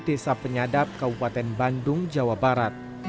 desa penyadap kabupaten bandung jawa barat